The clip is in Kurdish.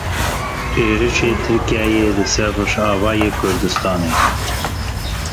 Êrişê Tirkiyeyê li ser Rojavayê Kurdistanê.